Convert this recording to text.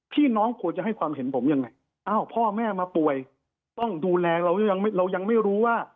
พี่น้องควรจะให้ความเห็นผมยังไงพ่อแม่มาป่วยต้องดูแลเรายังไม่รู้ว่า